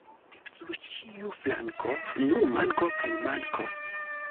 Sur ĉiu flanko nur manko kaj manko.